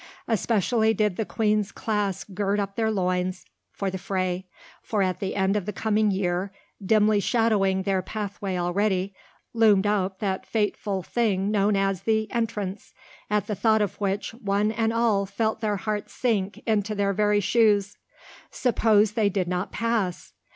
Especially did the Queen's class gird up their loins for the fray, for at the end of the coming year, dimly shadowing their pathway already, loomed up that fateful thing known as "the Entrance," at the thought of which one and all felt their hearts sink into their very shoes. Suppose they did not pass!